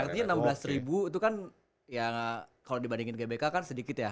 artinya enam belas ribu itu kan ya kalau dibandingin gbk kan sedikit ya